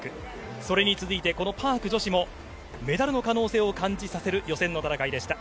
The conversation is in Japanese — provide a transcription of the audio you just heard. それに続いてパーク女子もメダルの可能性を感じさせる予選の戦いでした。